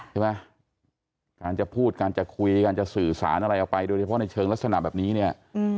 ใช่ไหมการจะพูดการจะคุยการจะสื่อสารอะไรออกไปโดยเฉพาะในเชิงลักษณะแบบนี้เนี่ย